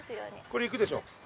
れいくでしょ？